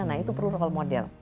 nah itu perlu role model